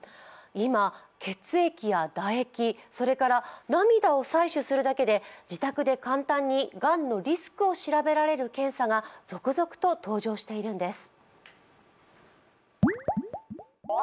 今、血液や唾液、それから涙を採取するだけで自宅で簡単にがんのリスクを調べられる検査が続々と登場しているんです。